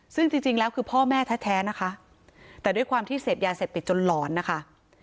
ซึ่งจริงแล้วคือพ่อแม่แท้นะคะแต่ด้วยความที่เสพยาเสพติดจนหลอนนะคะ